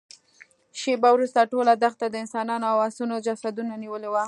شېبه وروسته ټوله دښته د انسانانو او آسونو جسدونو نيولې وه.